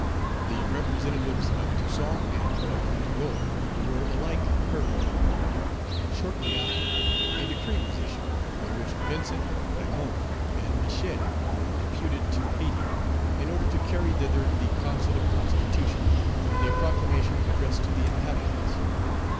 The representatives of Toussaint and of Rigaud were alike heard. Shortly after, a decree was issued, by which Page 117 Vincent, Raymond, and Michel were deputed to Hayti, in order to carry thither the Consular Constitution and a proclamation addressed to the inhabitants.